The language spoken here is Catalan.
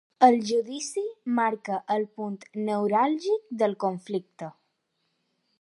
El judici marca el punt neuràlgic del conflicte.